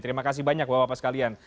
terima kasih banyak bapak bapak sekalian